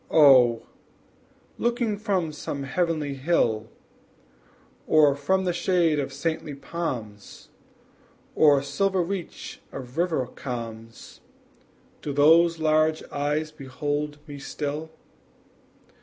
Oh, looking from some heavenly hill, Or from the shade of saintly palms, Or silver reach of river calms, Do those large eyes behold me still?